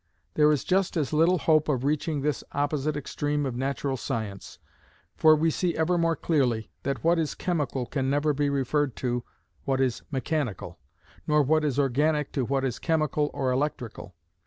There is just as little hope of reaching this opposite extreme of natural science, for we see ever more clearly that what is chemical can never be referred to what is mechanical, nor what is organic to what is chemical or electrical.